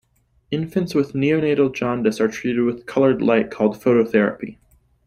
Infants with neonatal jaundice are treated with colored light called phototherapy.